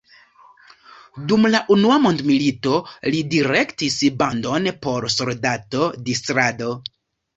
Dum la Unua Mondmilito li direktis bandon por soldato-distrado.